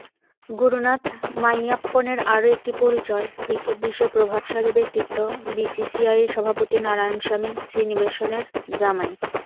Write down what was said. গুরুনাথ মাইয়াপ্পনের আরও একটি পরিচয়—ক্রিকেট-বিশ্বের প্রভাবশালী ব্যক্তিত্ব বিসিসিআইয়ের সভাপতি নারায়ণস্বামী শ্রীনিবাসনের জামাই।